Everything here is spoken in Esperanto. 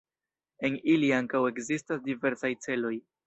En ili ankaŭ ekzistas diversaj celoj.